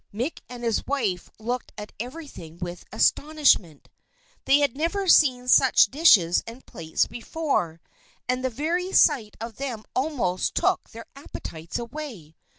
Mick and his wife looked at everything with astonishment; they had never seen such dishes and plates before, and the very sight of them almost took their appetites away.